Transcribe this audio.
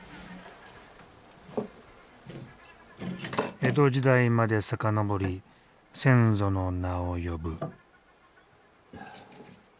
江戸時代まで遡り先祖の名を呼ぶ。